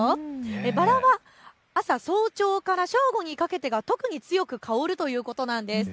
バラは朝、早朝から正午にかけて特に強く香るということです。